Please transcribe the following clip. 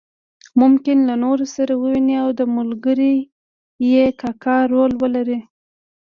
ممکن له نورو سره وویني او د ملګري یا کاکا رول ولري.